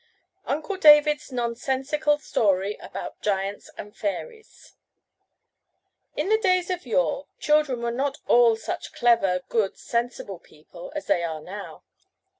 UNCLE DAVID'S NONSENSICAL STORY ABOUT GIANTS AND FAIRIES By KATHERINE SINCLAIR In the days of yore children were not all such clever, good, sensible people as they are now.